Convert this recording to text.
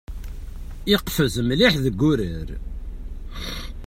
Iqfez mliḥ deg urar.